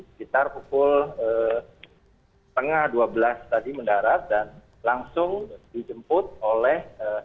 sekitar pukul setengah dua belas tadi mendarat dan langsung dijemput oleh